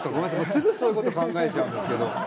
すぐそういうこと考えちゃうんですけど。